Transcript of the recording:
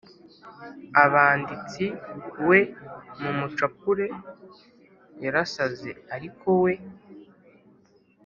abanditsi, “we, mumucapure, 'yarasaze ariko we'